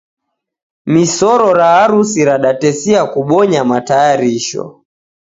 Misoro ra harusi radatesia kubonya matayarisho